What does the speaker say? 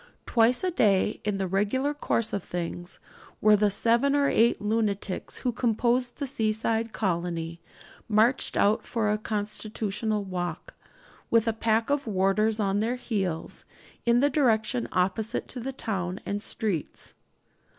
Twice a day, in the regular course of things, were the seven or eight lunatics who composed the seaside colony marched out for a constitutional walk, with a pack of warders at their heels, in the direction opposite to the town and streets.